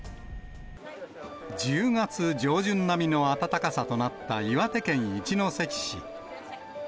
１０月上旬並みの暖かさとなった岩手県一関市。